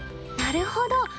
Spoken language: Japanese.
なるほど。